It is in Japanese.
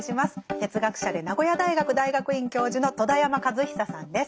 哲学者で名古屋大学大学院教授の戸田山和久さんです。